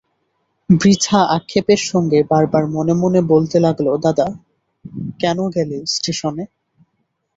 বৃথা আক্ষেপের সঙ্গে বার বার মনে মনে বলতে লাগল– দাদা কেন গেল ইস্টেশনে?